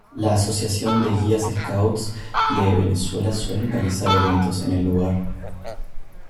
La Asociación de Guías Scouts de Venezuela suele realizar eventos en el lugar.